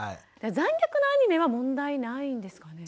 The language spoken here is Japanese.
残虐なアニメは問題ないんですかね？